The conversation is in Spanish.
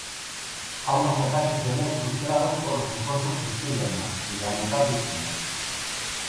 Ambos ataques se ven frustrados por los esfuerzos de Spider-Man, sin lamentar víctimas.